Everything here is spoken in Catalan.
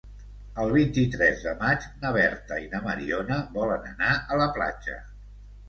El vint-i-tres de maig na Berta i na Mariona volen anar a la platja.